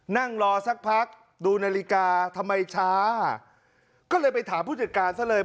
นั่งรอสักพักดูนาฬิกาทำไมช้าก็เลยไปถามผู้จัดการซะเลย